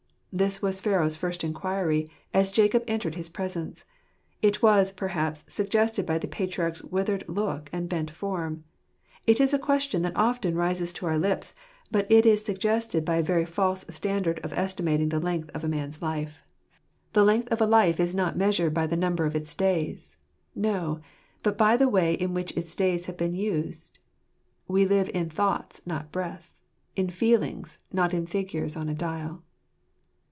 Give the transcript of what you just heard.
This was Pharaoh's first inquiry, as Jacob entered his presence. It was, perhaps, suggested by the patriarch's withered look and bent form. It is a question that often rises to our lips ; but it is suggested by a very false standard of estimating the length of a man's life. 134 Jxr«fV« Ifai&cr* The length of a life is not measured by the number of its days ; no, but by the way in which its days have been used " We live in thoughts, not breaths ; In feelings, not in figures on a dial."